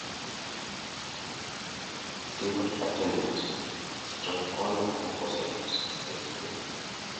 Stewart attended Strathcona Composite High School.